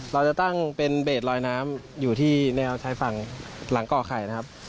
เราจะตั้งเป็นเบสลอยน้ำอยู่ที่แนวชายฝั่งหลังก่อไข่นะครับ